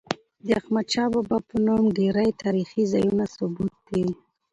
د احمدشاه بابا په نوم ډیري تاریخي ځایونه ثبت دي.